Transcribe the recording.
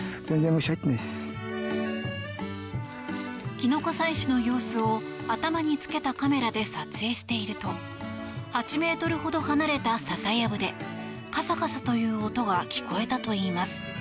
キノコ採取の様子を頭につけたカメラで撮影していると８ｍほど離れたササやぶでカサカサという音が聞こえたといいます。